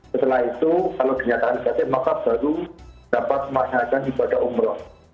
setelah itu kalau dinyatakan negatif maka baru dapat melaksanakan ibadah umroh